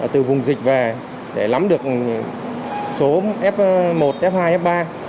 từ vùng dịch về để lắm được số f một f hai f ba